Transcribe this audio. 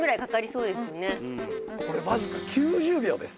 これわずか９０秒です。